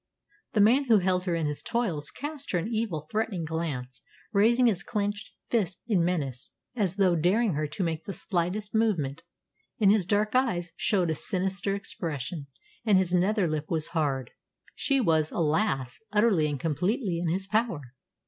The man who held her in his toils cast her an evil, threatening glance, raising his clenched fist in menace, as though daring her to make the slightest movement. In his dark eyes showed a sinister expression, and his nether lip was hard. She was, alas! utterly and completely in his power.